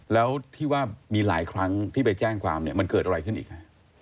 แล้วที่ว่ามีหลายครั้งที่ไปแจ้งความเนี่ยมันเกิดอะไรขึ้นอีกฮะ